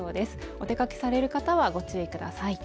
お出かけされる方はご注意ください。